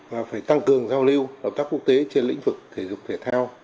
và phải tăng cường giao lưu hợp tác quốc tế trên lĩnh vực thể dục thể thao